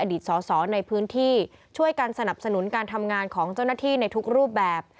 สอสอในพื้นที่ช่วยกันสนับสนุนการทำงานของเจ้าหน้าที่ในทุกรูปแบบ